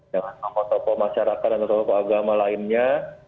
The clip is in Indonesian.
dengan sama toko masyarakat dan toko agama lainnya